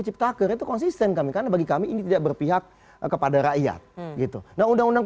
ciptaker itu konsisten kami karena bagi kami ini tidak berpihak kepada rakyat gitu nah undang undang